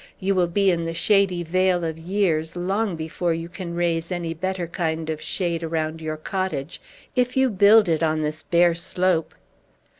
You will be in the shady vale of years long before you can raise any better kind of shade around your cottage, if you build it on this bare slope."